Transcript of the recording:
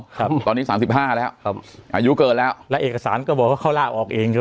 ครับตอนนี้สามสิบห้าแล้วครับอายุเกินแล้วแล้วเอกสารก็บอกว่าเขาล่าออกเองใช่ไหม